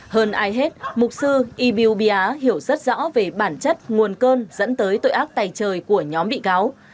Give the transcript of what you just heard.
hơn ai hết mục sư ibiubia hiểu rất rõ về bản chất nguồn cơn dẫn tới tội ác tài trời của nhóm bị cáo